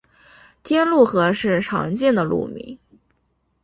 天河路是常见的路名。